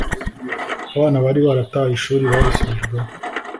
abana bari barataye ishuri barisubijwemo